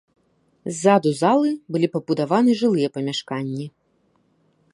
Ззаду залы былі пабудаваны жылыя памяшканні.